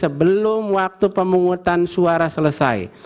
sebelum waktu pemungutan suara selesai